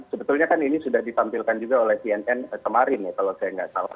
sebetulnya kan ini sudah ditampilkan juga oleh cnn kemarin ya kalau saya nggak salah